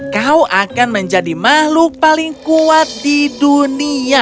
kau akan menjadi makhluk paling kuat di dunia